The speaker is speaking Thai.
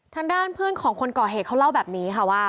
ทางด้านเพื่อนของคนก่อเหตุเขาเล่าแบบนี้ค่ะว่า